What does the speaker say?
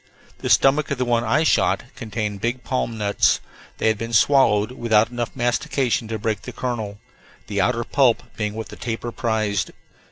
The stomach of the one I shot contained big palm nuts; they had been swallowed without enough mastication to break the kernel, the outer pulp being what the tapir prized.